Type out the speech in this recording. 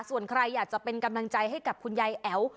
ส่วนใครอยากจะเป็นกำลังใจให้กับคุณยายแอ๋ว